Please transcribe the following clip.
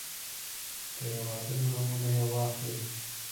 د هېوادونو نومونه يې واخلئ.